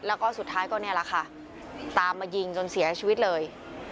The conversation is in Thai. แล้วก็สุดท้ายก็นี่แหละค่ะตามมายิงจนเสียชีวิตเลย